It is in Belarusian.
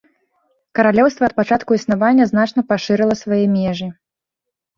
Каралеўства ад пачатку існавання значна пашырыла свае межы.